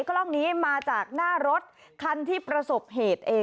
กล้องนี้มาจากหน้ารถคันที่ประสบเหตุเอง